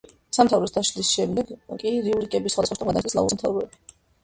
სამთავროს დაშლის შემდეგ კი რიურიკების სხვადასხვა შტომ გადაინაწილეს სლავური სამთავროები.